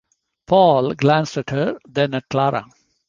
Paul glanced at her, then at Clara.